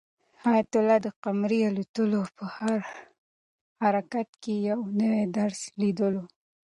حیات الله د قمرۍ د الوتلو په هر حرکت کې یو نوی درس لیدلو.